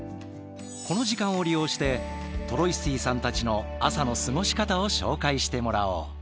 この時間を利用してトロイスティさんたちの朝の過ごし方を紹介してもらおう。